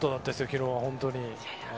昨日は本当に。